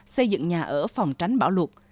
xây dựng nhà ở phòng tránh bão lụt